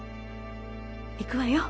行くわよ。